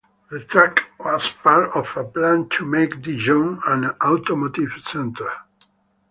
The track was part of a plan to make Dijon an automotive centre.